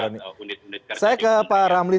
undang undang sidik saya ke pak ramli